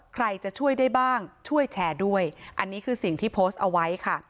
ใครจะช่วยได้บ้างช่วยแชร์ด้วยอันนี้คือสิ่งที่โพสต์เอาไว้ค่ะ